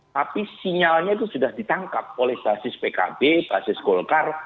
tapi sinyalnya itu sudah ditangkap oleh basis pkb basis golkar